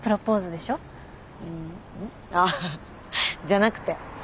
あじゃなくて。